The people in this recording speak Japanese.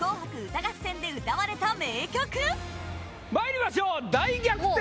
まいりましょう大逆転！